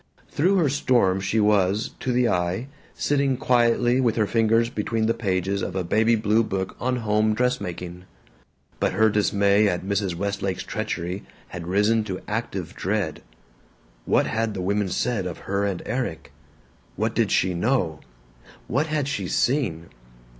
Through her storm she was, to the eye, sitting quietly with her fingers between the pages of a baby blue book on home dressmaking. But her dismay at Mrs. Westlake's treachery had risen to active dread. What had the woman said of her and Erik? What did she know? What had she seen?